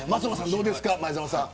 どうですか前園さん。